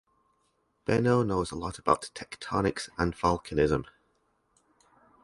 Benno knows a lot about tectonics and volcanism.